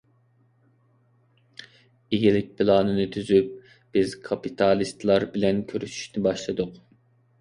ئىگىلىك پىلانىنى تۈزۈپ، بىز كاپىتالىستلار بىلەن كۆرۈشۈشنى باشلىدۇق.